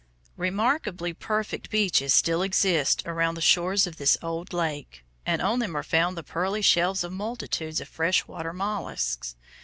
Remarkably perfect beaches still exist around the shores of this old lake, and on them are found the pearly shells of multitudes of fresh water mollusks.